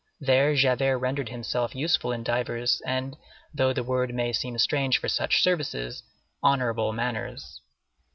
There Javert rendered himself useful in divers and, though the word may seem strange for such services, honorable manners.